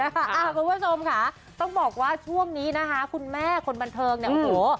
คุณผู้ชมค่ะต้องบอกว่าช่วงนี้นะคะคุณแม่คนบันเทิงเนี่ยโอ้โห